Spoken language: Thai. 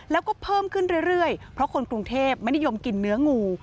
แล้วก็เพิ่มขึ้นเรื่อยเพราะคนกรุงเทพไม่นิยมกินเนื้องู